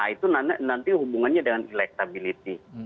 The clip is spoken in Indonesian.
itu nanti hubungannya dengan electability